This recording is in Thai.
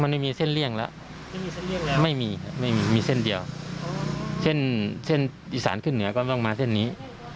มันไม่มีเส้นเลี่ยงแล้วไม่มีไม่มีมีเส้นเดียวเส้นเส้นอีสานขึ้นเหนือก็ต้องมาเส้นนี้